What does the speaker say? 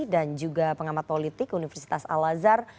dan juga pengamat politik universitas al azhar